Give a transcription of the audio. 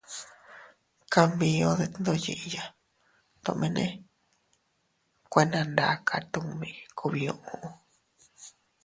Kanbiu detndoyiya tomene kuena ndaka tummi kubiuu.